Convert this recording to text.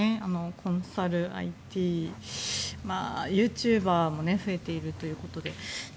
コンサル、ＩＴユーチューバーも増えているということで。